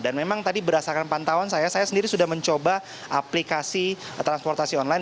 dan memang tadi berdasarkan pantauan saya saya sendiri sudah mencoba aplikasi transportasi online